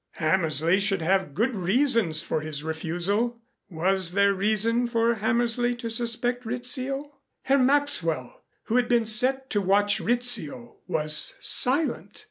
Hammersley should have good reasons for his refusal. Was there reason for Hammersley to suspect Rizzio? Herr Maxwell, who had been set to watch Rizzio, was silent.